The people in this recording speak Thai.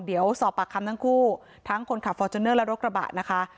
เดี๋ยวสอบปากคำทั้งคู่ทั้งคนขับฟอร์จูเนอร์และรถกระบะนะคะ